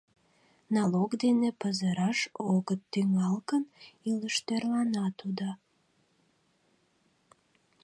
Налог дене пызыраш огыт тӱҥал гын, илыш тӧрлана тудо.